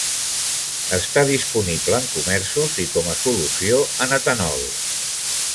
Està disponible en comerços i com a solució en etanol.